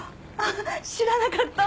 知らなかったわ。